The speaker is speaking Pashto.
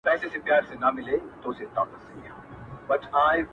ښکاري وویل زه تا حلالومه -